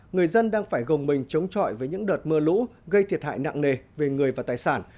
người dân đang phải gồng mình chống chọi với những đợt mưa lũ gây thiệt hại nặng nề về người và tài sản